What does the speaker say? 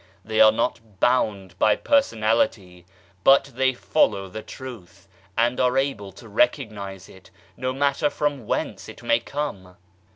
They are not bound by personality, but they follow the Truth, and are able to recognize it no matter from whence it may come.